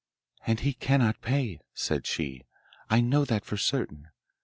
'And he cannot pay,' said she; 'I know that for certain.